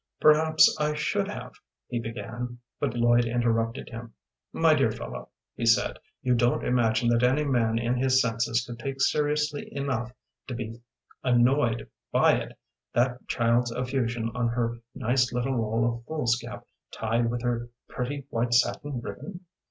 "Perhaps I should have," he began, but Lloyd interrupted him. "My dear fellow," he said, "you don't imagine that any man in his senses could take seriously enough to be annoyed by it that child's effusion on her nice little roll of foolscap tied with her pretty white satin ribbon?"